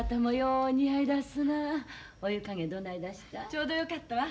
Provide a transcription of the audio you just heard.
ちょうどよかったわ。